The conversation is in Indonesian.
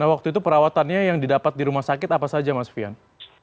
nah waktu itu perawatannya yang didapat di rumah sakit apa saja mas fian